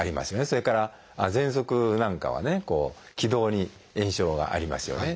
それからぜんそくなんかはね気道に炎症がありますよね。